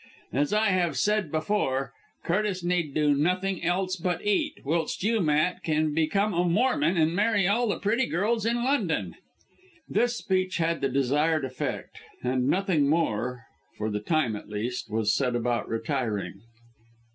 As I have said before, Curtis need do nothing else but eat, whilst you, Matt, can become a Mormon and marry all the pretty girls in London!" This speech had the desired effect, and nothing more for the time at least was said about retiring.